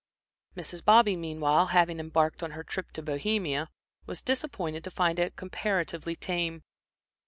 Mrs. Bobby meanwhile, having embarked on her trip to Bohemia, was disappointed to find it comparatively tame.